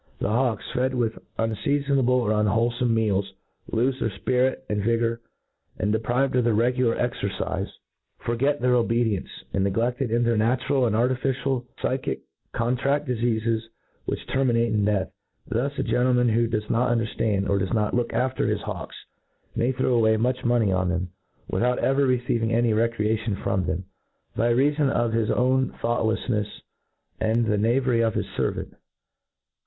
The hawks/ fed with unfeaibur able ot unwholefome meals, lofe their fi)irit and yigotfr i and, deprived pf thpir regular, .exercife, forr 124 ATREATISEOF forget their'^ obedience ; and, negle&ed in theh^ natural and artificial phyfic, contrad difeafcs^ which terminate in death. Thus, a gentleman who does not underitand, or does not look after his hawks, may throw away much money on them, without ever receiving any recreation from them, by reafon of his own thoughtleffncfe, and the knavery of his fcrvant.